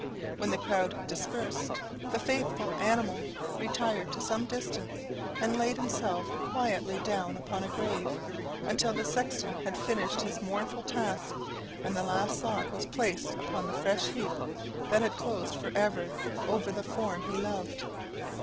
When the crowd dispersed, the faithful animal retired to some distance, and laid himself quietly down upon a grave, until the sexton had finished his mournful task, and the last sod was placed upon the fresh heap that had closed for ever over the form he loved.